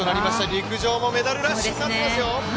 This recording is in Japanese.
陸上もメダルラッシュになっていますよ。